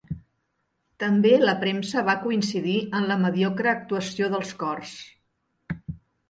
També la premsa va coincidir en la mediocre actuació dels cors.